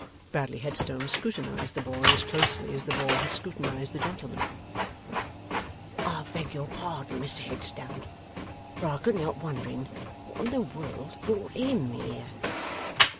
Bradley Headstone scrutinized the boy as closely as the boy had scrutinized the gentleman. 'I beg your pardon, Mr Headstone, but I couldn't help wondering what in the world brought HIM here!